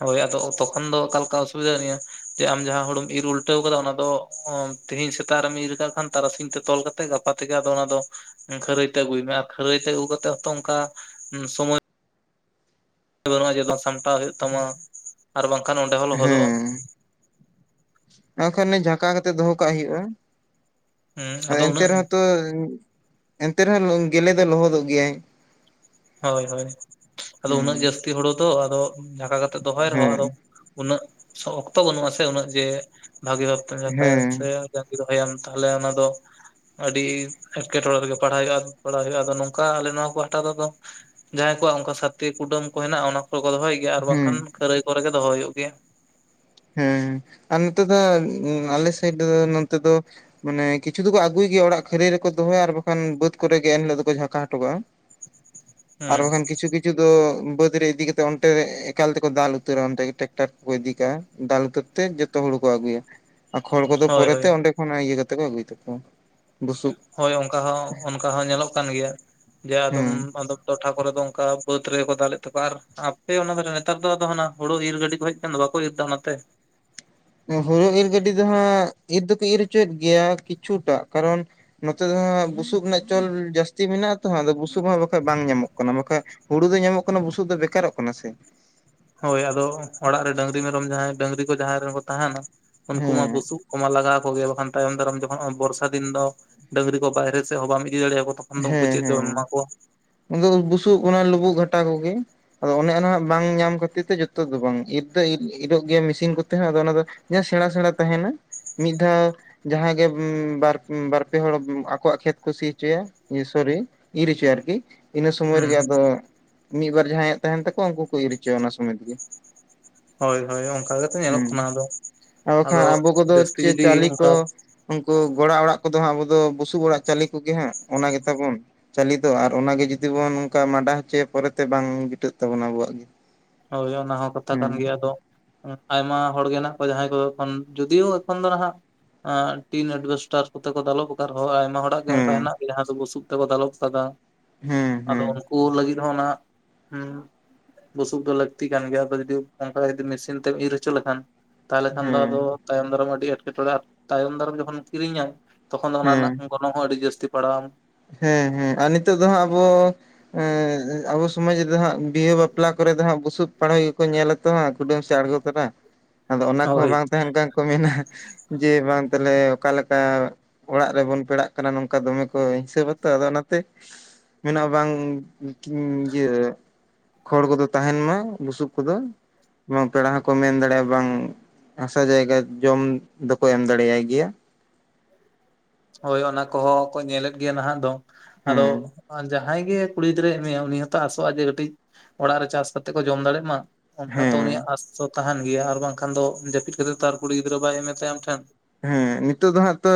ᱦᱳᱭ ᱟᱫᱚ ᱚ ᱛᱚᱠᱷᱚᱱ ᱫᱚ ᱚᱠᱟᱞᱮᱠᱟ ᱚᱥᱩᱵᱤᱫᱟ ᱱᱤᱭᱟᱹ ᱡᱮ ᱟᱢ ᱡᱟᱦᱟᱸ ᱦᱩᱲᱩᱢ ᱤᱨ ᱩᱞᱴᱟᱹᱣ ᱠᱟᱫᱟ ᱚᱱᱟ ᱫᱚ ᱚ ᱛᱮᱦᱤᱧ ᱥᱮᱛᱟᱜ ᱨᱮᱢ ᱤᱨ ᱠᱟᱜ ᱠᱷᱟᱱ ᱛᱟᱨᱟᱥᱤᱧ ᱛᱮ ᱛᱚᱞ ᱠᱟᱛᱮᱜ ᱜᱟᱯᱟ ᱛᱮᱜᱮ ᱟᱫᱚ ᱚᱱᱟ ᱫᱚ ᱮᱸ ᱠᱷᱟᱹᱨᱟᱹᱭ ᱛᱮ ᱟᱹᱜᱩᱭ ᱢᱮ ᱟᱨ ᱠᱷᱟᱹᱨᱟᱹᱭ ᱛᱮ ᱟᱹᱜᱩ ᱠᱟᱛᱮᱜ ᱦᱚᱸᱛᱚ ᱚᱱᱠᱟ ᱩᱸ ᱥᱚᱢᱚᱭ ᱵᱟᱹᱱᱩᱜᱼᱟ ᱡᱮᱛᱚ ᱥᱟᱢᱴᱟᱣ ᱦᱩᱭᱩᱜ ᱛᱟᱢᱟ, ᱟᱨ ᱵᱟᱝᱠᱷᱟᱱ ᱚᱸᱰᱮ ᱦᱚᱸ ᱞᱚᱦᱚᱫᱚᱜᱼᱟ᱾ ᱟ ᱠᱷᱟᱱ ᱱᱮ ᱡᱷᱟᱠᱟ ᱠᱟᱛᱮᱜ ᱫᱚᱦᱚ ᱠᱟᱜ ᱦᱩᱭᱩᱜᱼᱟ᱾ ᱦᱩᱸ ᱮ ᱟᱫᱚ ᱮᱱᱛᱮ ᱩᱱᱟᱹᱜ ᱨᱮᱦᱚᱸ ᱛᱚ ᱮᱱᱛᱮ ᱨᱮᱦᱚᱸ ᱞᱚ ᱜᱮᱞᱮ ᱫᱚ ᱞᱚᱦᱚᱫᱚᱜ ᱜᱮᱭᱟᱭ᱾ ᱦᱳᱭ, ᱦᱳᱭ᱾ ᱟᱫᱚ ᱩᱱᱟᱹᱜ ᱦᱮᱸ ᱡᱟᱹᱥᱛᱤ ᱦᱩᱲᱩ ᱛᱚ ᱟᱫᱚ ᱰᱷᱟᱠᱟ ᱠᱟᱛᱮᱜ ᱫᱚᱦᱚᱭ ᱨᱮᱦᱚᱸ ᱦᱮᱸ ᱟᱫᱚ ᱩᱱᱟᱹᱜ ᱥᱚ ᱚᱠᱛᱚ ᱵᱟᱹᱱᱩᱜᱼᱟ ᱥᱮ ᱩᱱᱟᱹᱜ ᱡᱮ ᱵᱷᱟᱜᱤ ᱵᱷᱟᱵ ᱛᱮᱢ ᱱᱟᱯᱟᱭᱟᱢ ᱥᱮ ᱦᱮᱸ ᱡᱟᱜ ᱜᱮ ᱨᱚᱦᱚᱭᱟᱢ ᱛᱟᱦᱚᱞᱮ ᱚᱱᱟ ᱫᱚ᱾ ᱟᱹᱰᱤ ᱮᱴᱠᱮᱼᱴᱚᱲᱮ ᱨᱮᱜᱮ ᱯᱟᱲᱦᱟ ᱦᱩᱭᱩᱜᱼᱟ ᱯᱟᱲᱦᱟ ᱦᱩᱭᱩᱜᱼᱟ ᱟᱫᱚ ᱱᱚᱝᱠᱟ ᱟᱞᱮ ᱱᱚᱣᱟ ᱯᱟᱦᱴᱟ ᱨᱮᱫᱚ᱾ ᱡᱟᱦᱟᱸᱭ ᱠᱚᱣᱟᱜ ᱚᱱᱠᱟ ᱥᱟᱛᱤ ᱠᱩᱰᱟᱹᱢ ᱠᱚ ᱦᱮᱱᱟᱜᱼᱟ ᱚᱱᱟ ᱠᱚᱨᱮ ᱠᱚ ᱫᱚᱦᱚᱭ ᱜᱮᱭᱟ ᱟᱨ ᱦᱮᱸ ᱵᱟᱝᱠᱷᱟᱱ ᱠᱷᱟᱹᱨᱟᱹᱭ ᱠᱚᱨᱮ ᱜᱮ ᱫᱚᱦᱚ ᱦᱩᱭᱩᱜ ᱜᱮᱭᱟ᱾ ᱦᱩᱸ, ᱟᱨ ᱱᱤᱛᱚ ᱫᱚ ᱩᱸ ᱟᱞᱮ ᱥᱮᱰ ᱫᱚ ᱱᱚᱱᱛᱮ ᱫᱚ ᱢᱟᱱᱮ ᱠᱤᱪᱷᱩ ᱫᱚᱠᱚ ᱟᱹᱜᱩᱭ ᱜᱮᱭᱟ ᱚᱲᱟᱜ ᱠᱷᱟᱹᱨᱟᱹᱭ ᱨᱮᱠᱚ ᱫᱚᱦᱚᱭᱟ ᱟᱨ ᱵᱟᱠᱷᱟᱱ ᱵᱟᱹᱫᱽ ᱠᱚᱨᱮ ᱜᱮ ᱮᱱᱦᱤᱞᱳᱜ ᱫᱚᱠᱚ ᱡᱷᱟᱠᱟ ᱦᱚᱴᱚᱠᱟᱜᱼᱟ᱾ ᱟᱨ ᱦᱩᱸ ᱵᱟᱠᱷᱟᱱ ᱠᱤᱪᱩ ᱠᱤ ᱠᱤᱪᱷᱩ ᱫᱚ ᱵᱟᱹᱫ ᱨᱮ ᱤᱫᱤ ᱠᱟᱛᱮ ᱚᱱᱰᱮ ᱮᱠᱟᱞ ᱛᱮᱠᱚ ᱫᱟᱞ ᱩᱛᱟᱹᱨᱟ ᱚᱱᱰᱮ ᱴᱮᱠᱴᱟᱨ ᱠᱚᱠᱚ ᱤᱫᱤ ᱠᱟᱜ-ᱟ᱾ ᱫᱟᱞ ᱩᱛᱟ. ᱨ ᱛᱮ ᱡᱚᱛᱚ ᱦᱩᱲᱩ ᱠᱚ ᱟᱹᱜᱩᱭᱟ ᱟᱨ ᱠᱷᱚᱲ ᱠᱚᱫᱚ ᱦᱳᱭ ᱦᱳᱭ ᱯᱚᱨᱮᱛᱮ ᱚᱸᱰᱮ ᱦᱚ ᱚᱱᱟ ᱤᱭᱟᱹ ᱠᱟᱛ ᱠᱚ ᱟᱹᱜᱩᱭ ᱛᱟᱠᱚ ᱵᱩᱥᱩᱵ ᱦᱳᱭ ᱚᱱᱠᱟ ᱦᱚᱸ ᱚᱱᱠᱟ ᱦᱚᱸ ᱧᱮᱞᱚᱜ ᱠᱟᱱ ᱜᱮᱭᱟ ᱡᱮ ᱟᱫᱚᱢ ᱦᱮᱸ ᱟᱫᱚᱢ ᱴᱚᱴᱷᱟ ᱠᱚᱨᱮ ᱫᱚ ᱚᱱᱠᱟ ᱵᱟᱹᱫ ᱨᱮᱠᱚ ᱫᱟᱞᱮᱫ ᱛᱟᱠᱚᱣᱟ, ᱟᱨ ᱟᱯᱮ ᱚᱱᱟ ᱫᱷᱟᱨᱮ ᱱᱮᱛᱟᱨ ᱫᱚ ᱟᱫᱚ ᱦᱟᱱᱟ ᱦᱩᱲᱩ ᱤᱨ ᱜᱟᱹᱰᱤ ᱠᱚ ᱦᱮᱡ ᱠᱷᱟᱱ ᱫᱚ ᱵᱟᱠᱚ ᱡᱩᱫ ᱫᱟ ᱚᱱᱟᱛᱮ᱾ ᱦᱳᱲᱳ ᱤᱨ ᱜᱟᱹᱰᱤ ᱫᱚ ᱦᱟᱸᱜ ᱤᱨ ᱫᱚᱠᱚ ᱤᱨ ᱪᱚᱭᱮᱫ ᱜᱮᱭᱟ ᱠᱤᱪᱷᱩᱴᱟᱜ, ᱠᱟᱨᱚᱱ ᱱᱚᱛᱮ ᱫᱚ ᱦᱟᱸᱜ ᱵᱩᱥᱩᱵ ᱨᱮᱱᱟᱜ ᱪᱟᱹᱞ ᱡᱟᱹᱥᱛᱤ ᱢᱮᱱᱟᱜᱼᱟ᱾ ᱛᱚ ᱦᱮᱸ ᱟᱫᱚ ᱵᱩᱥᱩᱵ ᱦᱚᱸ ᱵᱟᱠᱷᱟᱡ ᱵᱟᱝ ᱧᱟᱢᱚᱜ ᱠᱟᱱᱟ ᱵᱟᱠᱷᱟᱡ ᱦᱩᱲᱩ ᱫᱚ ᱧᱟᱢᱚᱜ ᱠᱟᱱᱟ ᱵᱩᱥᱩᱵ ᱫᱚ ᱵᱮᱠᱟᱨᱚᱜ ᱠᱟᱱᱟ ᱥᱮ᱾ ᱦᱳᱭ ᱟᱫᱚ ᱚᱲᱟᱜ ᱨᱮ ᱰᱟᱹᱝᱨᱤ ᱢᱮᱨᱚᱢ ᱡᱟᱦᱟᱸᱭ ᱰᱟᱹᱝᱨᱤ ᱠᱚ ᱡᱟᱦᱟᱸᱭ ᱨᱮᱱ ᱠᱚ ᱛᱟᱦᱮᱱᱟ᱾ ᱩᱱᱠᱩ ᱢᱟ ᱦᱮᱸ ᱵᱩᱥᱩᱵ ᱠᱚᱢᱟ ᱞᱟᱜᱟᱣ ᱠᱚᱜᱮᱭᱟ ᱵᱟᱠᱷᱟᱱ ᱛᱟᱭᱚᱢ ᱫᱟᱨᱟᱢ ᱡᱚᱠᱷᱚᱱ ᱚ ᱵᱚᱨᱥᱟ ᱫᱤᱱ ᱫᱚ ᱰᱟᱹᱝᱨᱤ ᱠᱚ ᱵᱟᱭᱨᱮ ᱥᱮᱜ ᱦᱚ ᱵᱟᱢ ᱤᱫᱤ ᱫᱟᱲᱮ ᱟᱠᱚ᱾ ᱦᱮᱸ ᱦᱮᱸ ᱟᱫᱚ ᱵᱩᱥᱩᱵ ᱚᱱᱟ ᱞᱩᱵᱩᱜ ᱜᱷᱟᱴᱟ ᱠᱚᱜᱮ᱾ ᱟᱫᱚ ᱚᱱᱮ ᱚᱱᱟ ᱵᱟᱝ ᱧᱟᱢ ᱠᱷᱟᱹᱛᱤᱨ ᱛᱮ ᱡᱚᱛᱚ ᱫᱚ ᱵᱟᱝ ᱤᱨ ᱫᱚ ᱤᱨᱚᱜ ᱜᱮᱭᱟ ᱢᱮᱥᱤᱱ ᱠᱚᱛᱮ ᱟᱫᱚ ᱚᱱᱟᱫᱚ ᱮᱭᱟ ᱥᱮᱬᱟ ᱥᱮᱬᱟ ᱛᱟᱦᱮᱱᱟ ᱢᱤᱫ ᱫᱷᱟᱣ ᱡᱟᱦᱟᱸᱜ ᱜᱮ ᱵᱟᱨ ᱯᱮ ᱦᱚᱲ ᱟᱠᱚᱣᱟᱜ ᱠᱷᱮᱛ ᱠᱩᱥᱤ ᱦᱚᱪᱚᱭᱟ‍‌᱾ ᱥᱚᱨᱤ ᱤᱨ ᱦᱚᱪᱚᱭ ᱟᱨᱠᱤ ᱤᱱᱟᱹ ᱥᱚᱢᱚᱭ ᱦᱩᱸ ᱨᱮᱜᱮ ᱟᱫᱚ ᱢᱤᱫᱵᱟᱨ ᱡᱟᱦᱟᱸᱭᱟᱜ ᱛᱟᱦᱮᱱ ᱛᱟᱠᱚᱣᱟ ᱩᱱᱠᱩ ᱠᱚ ᱤᱨ ᱦᱚᱪᱚᱭᱟ ᱚᱱᱟ ᱥᱚᱢᱚᱭ᱾ ᱦᱳᱭ ᱦᱳᱭ ᱚᱱᱠᱟ ᱠᱟᱛᱮ ᱧᱮᱞᱚᱜ ᱦᱩᱸ ᱠᱟᱱᱟ ᱟᱫᱚ ᱟᱨ ᱟᱫᱚ ᱵᱟᱠᱷᱟᱱ ᱟᱵᱚ ᱠᱚᱫᱚ ᱡᱟᱹᱥᱛᱤ ᱪᱮᱫ ᱡᱩᱫᱤ ᱪᱟᱞᱤ ᱠᱚ ᱚᱱᱠᱟ ᱩᱱᱠᱩ ᱜᱚᱲᱟ ᱚᱲᱟᱜ ᱠᱚᱫᱚ ᱦᱟᱸᱜ ᱟᱵᱚ ᱫᱚ ᱵᱩᱥᱩᱵ ᱚᱲᱟᱜ ᱪᱟᱞᱤ ᱠᱚᱜᱮ ᱦᱟᱸᱜ ᱚᱱᱟ ᱜᱮ ᱛᱟᱵᱚᱱ ᱪᱟᱞᱤᱛᱚ ᱟᱨ ᱚᱱᱟᱜᱮ ᱡᱩᱫᱤ ᱵᱚᱱ ᱚᱱᱠᱟ ᱢᱟᱰᱟ ᱦᱚᱪᱚᱭᱟ ᱯᱚᱨᱮᱛᱮ ᱵᱟᱝ ᱡᱤᱴᱟᱹᱜ ᱛᱟᱵᱚᱱᱟ ᱟᱵᱚᱣᱟᱜ ᱜᱮ ᱦᱳᱭ ᱚᱱᱟ ᱦᱚᱸ ᱠᱟᱛᱷᱟ ᱠᱟᱱ ᱜᱮᱭᱟ ᱟᱫᱚ ᱟᱭᱢᱟ ᱦᱚᱲᱜᱮ ᱢᱮᱱᱟᱜᱮᱱᱟᱜ ᱠᱚᱣᱟ ᱡᱟᱦᱟᱸᱭ ᱠᱚ ᱮᱱ ᱡᱩᱫᱤ ᱮᱠᱷᱚᱱ ᱫᱚ ᱱᱟᱦᱟᱜ ᱴᱤᱱ ᱮᱰᱵᱮᱥᱴᱟᱨ ᱛᱮ ᱠᱚ ᱫᱟᱞᱚᱠ ᱟᱠᱟᱫᱟ ᱟᱨᱦᱚᱸ ᱟᱭᱢᱟ ᱦᱚᱲᱟᱜ ᱜᱮ ᱚᱱᱠᱟ ᱦᱮᱸ ᱦᱮᱱᱟᱜ ᱜᱮᱭᱟ ᱡᱟᱦᱟᱸ ᱫᱚ ᱵᱩᱥᱩᱯ ᱛᱮᱠᱚ ᱫᱟᱞᱚᱵ ᱟᱠᱟᱫᱟ ᱦᱮᱸ ᱦᱮᱸ ᱟᱫᱚ ᱦᱮᱸ ᱩᱱᱠᱩ ᱞᱟᱹᱜᱤᱫ ᱦ <inaudible> ᱱᱟ ᱦᱩᱸ ᱥᱩᱵ ᱫᱚ ᱞᱟᱹᱠᱛᱤ ᱠᱟᱱ ᱜᱮᱭᱟ ᱟ ᱡᱫᱤ ᱚᱱᱠᱟᱤ ᱢᱮᱥᱤᱱ ᱛᱮᱢ ᱤᱨ ᱦᱚᱪᱚ ᱞᱮᱠᱷᱟᱱ ᱛᱟᱦᱚᱞᱮ ᱠᱷᱟᱱ ᱫᱚ ᱦᱮᱸ ᱟᱫᱚ ᱛᱟᱭᱚᱢ ᱫᱟᱨᱟᱢ ᱟᱹᱰᱤ ᱮᱸᱴᱠᱮᱴᱚᱲᱮ ᱟᱨ ᱛᱟᱭᱚᱢ ᱫᱟᱨᱟᱢ ᱡᱚᱠᱷᱚᱱ ᱠᱤᱨᱤᱧᱟ ᱛᱚᱠᱷᱚᱱ ᱚᱱᱟ ᱦᱮᱸ ᱚᱱᱟ ᱦᱚᱸ ᱟᱹᱰᱤ ᱡᱟᱹᱥᱛᱤ ᱯᱟᱲᱟᱣᱟᱢ ᱦᱮᱸ ᱦᱮᱸ ᱟᱨ ᱱᱤᱛᱚᱜᱜ ᱫᱚ ᱦᱟᱸᱜ ᱟᱵᱚ ᱟᱵᱚ ᱥᱚᱢᱟᱡ ᱨᱮᱫᱚ ᱦᱟᱜ ᱵᱤᱦᱟᱹ ᱵᱟᱯᱞᱟ ᱠᱚᱨᱮ ᱫᱚ ᱦᱟᱸᱜ ᱵᱩᱥᱩᱵ ᱯᱟᱲᱦᱚᱭ ᱜᱮᱠᱚ ᱧᱮᱞ ᱟᱛᱚ ᱦ ᱠᱩᱰᱟᱹᱢ ᱥᱮ ᱟᱬᱜᱚ ᱛᱚᱨᱟ ᱟᱫᱚ ᱚᱱᱟ ᱠᱚᱦᱚᱸ ᱦᱳᱭ ᱵᱟᱝ ᱚᱱᱠᱟ ᱠᱚ ᱢᱮᱱᱟ ᱡᱮ ᱵᱟᱝ ᱛᱟᱦᱞᱮ ᱚᱠᱟᱞᱮᱠᱟ ᱚᱲᱟᱜ ᱨᱮᱵᱚᱱ ᱯᱮᱲᱟᱜ ᱠᱟᱱᱟ ᱱᱚᱝᱠᱟ ᱫᱚᱢᱮ ᱠᱚ ᱦᱤᱥᱟᱹᱵᱛᱚ ᱟᱫᱚ ᱚᱱᱟᱛᱮ ᱢᱮᱱᱟᱜ-ᱟ ᱵᱟᱝ ᱤᱭᱟᱹ <inaudible> ᱠᱷᱚᱲ ᱠᱚᱫᱚ ᱛᱟᱦᱮᱱ ᱢᱟ ᱵᱩᱥᱩᱵ ᱠᱚᱫᱚ ᱵᱟᱝ ᱯᱮᱲᱟ ᱦᱚᱸᱠᱚ ᱢᱮᱱ ᱫᱟᱲᱮᱭᱟᱜᱼᱟ ᱵᱟᱝ ᱦᱟᱥᱟ ᱡᱟᱭᱜᱟ ᱡᱚᱢ ᱫᱚᱠᱚ ᱮᱢ ᱫᱟᱲᱮᱭᱟᱭ ᱜᱮᱭᱟ᱾ ᱦᱳᱭ ᱚᱱᱟ ᱠᱚᱦᱚᱸ ᱠᱚ ᱧᱮᱞᱮᱫ ᱜᱮᱭᱟ ᱱᱟᱦᱟᱜ ᱫᱚ, ᱟᱫᱚ ᱦᱮᱸ ᱡᱟᱦᱟᱸᱭ ᱜᱮ ᱠᱩᱲᱤ ᱜᱤᱫᱽᱨᱟᱹᱭ ᱮᱢᱟᱭ ᱩᱱᱤ ᱦᱚᱸᱛᱚ ᱟᱥᱚᱜᱼᱟ ᱡᱮ ᱠᱟᱹᱴᱤᱡ ᱚᱲᱟᱜ ᱨᱮ ᱪᱟᱥ ᱠᱟᱛᱮᱜ ᱠᱚ ᱡᱚᱢ ᱫᱟᱲᱮᱜ ᱢᱟ᱾ ᱚᱱᱠᱟ ᱛᱚ ᱩᱱᱤᱭᱟᱜ ᱦᱮᱸ ᱟᱥᱛᱚ ᱛᱟᱦᱮᱱ ᱜᱮᱭᱟ, ᱟᱨ ᱵᱟᱝᱠᱷᱟᱱ ᱫᱚ ᱡᱟᱹᱯᱤᱫ ᱠᱷᱟᱹᱛᱤᱨ ᱛᱚ ᱟᱨ ᱠᱩᱲᱤ ᱜᱤᱫᱽᱨᱟᱹ ᱵᱟᱭ ᱮᱢ ᱛᱟᱭᱟ ᱟᱢᱴᱷᱮᱱ᱾ ᱦᱮᱸ ᱱᱤᱛᱚᱜ ᱫᱚ ᱦᱟᱜ ᱛᱚ